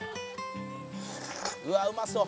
「うわっうまそう！」